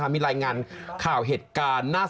มีรายงานข่าวเหตุการณ์